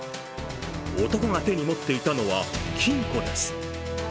男が手に持っていたのは、金庫です。